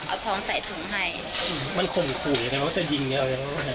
เอาทองใส่ถุงให้อืมมันข่มขู่ยังไงมันก็จะยิงอย่างเงี้ย